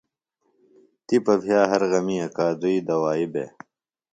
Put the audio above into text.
تپہ بھیہ ہر غمیۡ اکادئی دوائی بےۡ۔